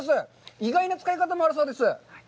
意外な使い方もあるそうです。